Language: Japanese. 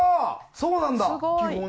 そうなんだ。